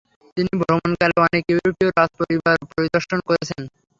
তিনি ভ্রমণকালে অনেক ইউরোপীয় রাজ পরিবার পরিদর্শন করেছেন।